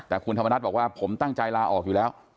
แต่คุณธรรมนัฐบอกว่าผมตั้งใจลาออกอยู่แล้ว